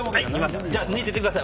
じゃあ抜いてってください。